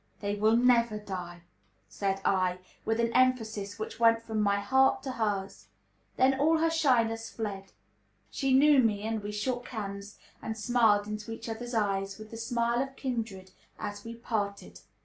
"They will never die!" said I, with an emphasis which went from my heart to hers. Then all her shyness fled. She knew me; and we shook hands, and smiled into each other's eyes with the smile of kindred as we parted.